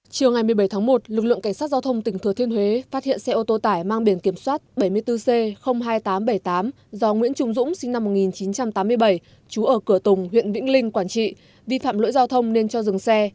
chiều ngày một mươi bảy tháng một lực lượng cảnh sát giao thông tỉnh thừa thiên huế phát hiện xe ô tô tải mang biển kiểm soát bảy mươi bốn c hai nghìn tám trăm bảy mươi tám do nguyễn trung dũng sinh năm một nghìn chín trăm tám mươi bảy trú ở cửa tùng huyện vĩnh linh quảng trị vi phạm lỗi giao thông nên cho dừng xe